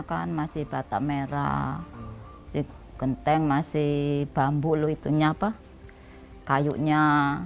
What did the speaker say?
kamarnya kan masih batak merah si genteng masih bambu lho itunya apa kayunya